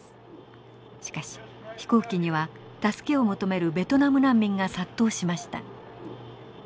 しかし飛行機には助けを求めるベトナム難民が殺到しました。